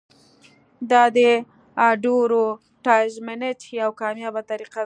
دا د اډورټایزمنټ یوه کامیابه طریقه ده.